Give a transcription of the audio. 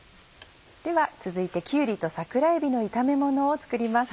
では続いて「きゅうりと桜えびの炒めもの」を作ります。